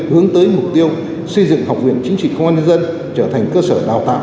hướng tới mục tiêu xây dựng học viện chính trị công an nhân dân trở thành cơ sở đào tạo